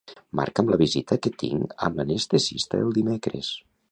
Marca'm la visita que tinc amb l'anestesista el dimecres.